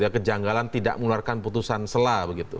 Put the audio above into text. kejanggalan tidak mengeluarkan putusan selah begitu